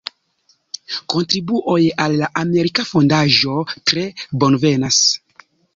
Kontribuojn al la Amerika Fondaĵo tre bonvenas!